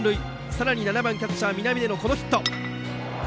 さらに、７番キャッチャー南出のヒット。